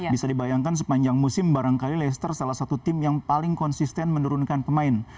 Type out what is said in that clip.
bisa dibayangkan sepanjang musim barangkali leicester salah satu tim yang paling konsisten menurunkan pemain